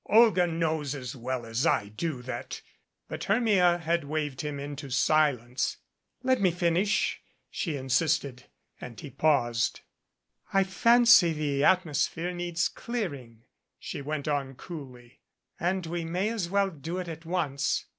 "Olga knows as well as I do that " But Hermia had waved him into silence. "Let me finish," she insisted, and he paused. "I fancy the atmosphere needs clearing," she went on coolly, "and we may as well do it at once.